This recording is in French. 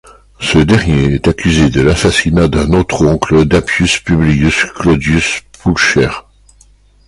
Ce dernier est accusé de l'assassinat d'un autre oncle d'Appius, Publius Clodius Pulcher.